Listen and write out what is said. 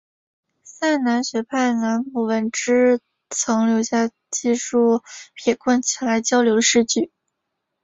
萨南学派南浦文之曾留下记述撇贯前来交流的诗句。